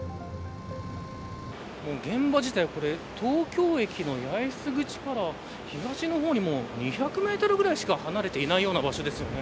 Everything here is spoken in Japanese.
現場自体東京駅の八重洲口から東の方に２００メートルぐらいしか離れていないような場所です。